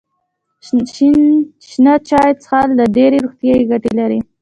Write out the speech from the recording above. شنه چای څښل ډیرې روغتیايي ګټې لري.